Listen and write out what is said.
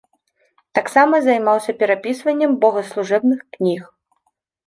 Таксама займаўся перапісваннем богаслужэбных кніг.